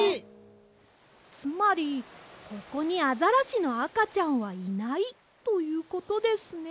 つまりここにアザラシのあかちゃんはいないということですね。